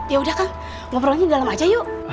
ya udah kang ngobrolnya di dalam aja yuk